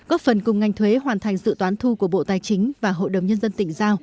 góp phần cùng ngành thuế hoàn thành dự toán thu của bộ tài chính và hội đồng nhân dân tỉnh giao